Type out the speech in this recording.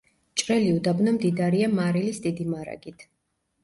ჭრელი უდაბნო მდიდარია მარილის დიდი მარაგით.